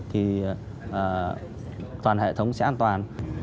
thì toàn hệ thống sẽ an toàn